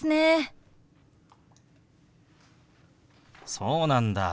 そうなんだ。